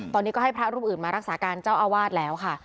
ตอนนี้ก็ให้พระรูปอื่นมารักษาการเจ้าอาวาสแล้วค่ะ